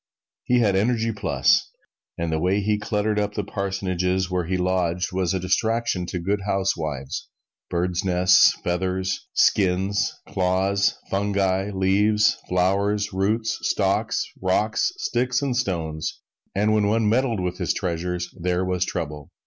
He had energy plus, and the way he cluttered up the parsonages where he lodged was a distraction to good housewives: birds' nests, feathers, skins, claws, fungi, leaves, flowers, roots, stalks, rocks, sticks and stones and when one meddled with his treasures, there was trouble.